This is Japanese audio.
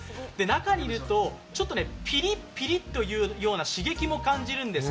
中にいると、ちょっとピリピリというような刺激も感じるんです。